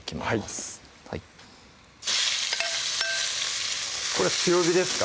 はいこれ強火ですか？